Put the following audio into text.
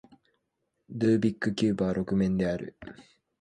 ルービックキューブは六面である